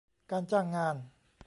การจ้างงาน